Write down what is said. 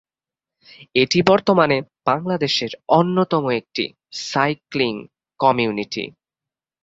এটি বর্তমানে বাংলাদেশের অন্যতম একটি সাইক্লিং কমিউনিটি।